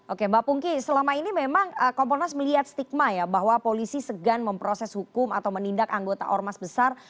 oke mbak pungki selama ini memang komponas melihat stigma ya bahwa polisi segan memproses hukum atau menindak anggota ormas besar